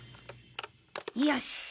よし！